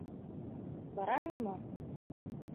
— Бараһыңмы?